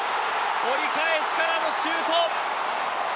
折り返しからのシュート。